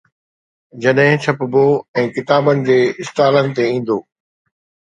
جڏهن ڇپبو ۽ ڪتابن جي اسٽالن تي ايندو.